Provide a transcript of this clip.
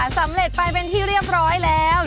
สำเร็จไปเป็นที่เรียบร้อยแล้ว